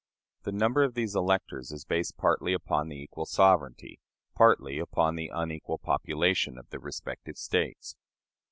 The number of these electors is based partly upon the equal sovereignty, partly upon the unequal population of the respective States.